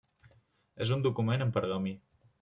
És un document en pergamí.